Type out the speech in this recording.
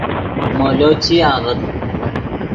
مولو چی آغت